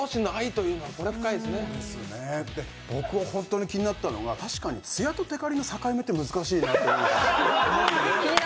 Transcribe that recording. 僕が本当に気になったのが確かに艶とテカりの境って難しいなって。